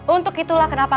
untuk itulah kenapa